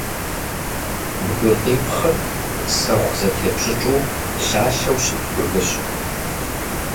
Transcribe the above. Бгыкъипхъыр сэху зэтепщӏыпщӏыкӏыу, лъалъэу щыт бгыщ.